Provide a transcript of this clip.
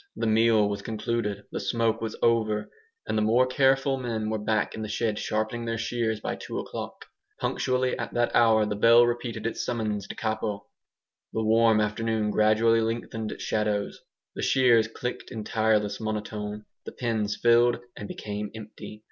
The meal was concluded; the smoke was over; and the more careful men were back in the shed sharpening their shears by two o'clock. Punctually at that hour the bell repeated its summons DE CAPO. The warm afternoon gradually lengthened its shadows; the shears clicked in tireless monotone; the pens filled and became empty.